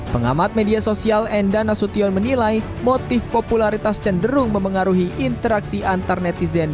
pengamat media sosial enda nasution menilai motif popularitas cenderung memengaruhi interaksi antar netizen